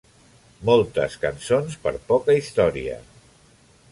Moltes cançons per poca història.